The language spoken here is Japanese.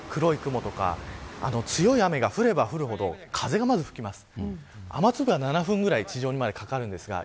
黒い雲とか強い雨が降れば降るほど風も吹きます。